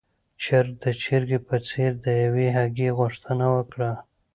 چرګ د چرګې په څېر د يوې هګۍ غوښتنه وکړه.